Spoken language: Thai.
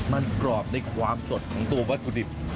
มันกรอบในความสดของตัววัตถุดิบ